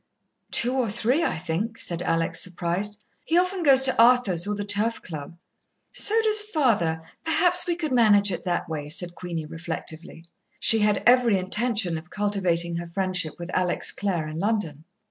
"Two or three, I think," said Alex, surprised. "He often goes to Arthur's or the Turf Club." "So does father. Perhaps we could manage it that way," said Queenie reflectively. She had every intention of cultivating her friendship with Alex Clare in London.